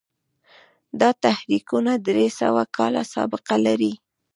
دا تحریکونه درې سوه کاله سابقه لري.